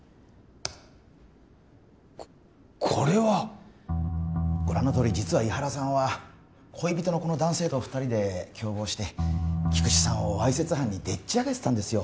これはご覧のとおり実は井原さんは恋人のこの男性と二人で共謀して菊池さんをわいせつ犯にでっちあげてたんですよ